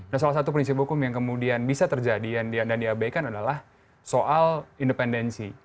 nah salah satu prinsip hukum yang kemudian bisa terjadi dan diabaikan adalah soal independensi